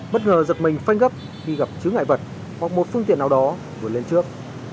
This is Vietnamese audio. bất ngờ giật mình phanh gấp đi gặp chứa ngại vật hoặc một phương tiện nào đó vượt lên trước